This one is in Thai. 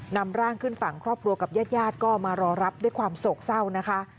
นำร่างขึ้นฝั่งครอบครัวกับญาติญาติก็มารอรับด้วยความโศกเศร้านะคะ